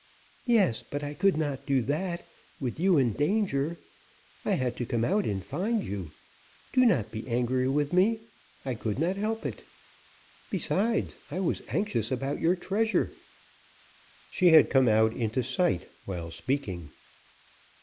"Yes, but I could not do that, with you in danger. I had to come out and find you. Do not be angry with me; I could not help it. Besides, I was anxious about your treasure." She had come out into sight, while speaking.